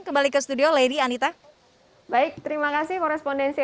kembali ke studio lady anita baik terima kasih korespondensi